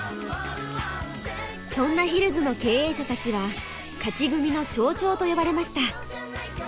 そんなヒルズの経営者たちは勝ち組の象徴と呼ばれました。